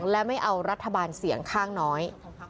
และไม่เอารัฐบาลเสียงข้างน้อย